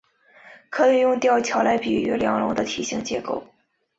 可以用吊桥来比喻梁龙的体型结构。